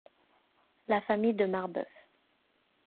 La famille de Marbeuf.